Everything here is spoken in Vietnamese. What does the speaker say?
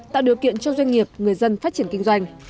tạo điều kiện cho doanh nghiệp người dân phát triển kinh doanh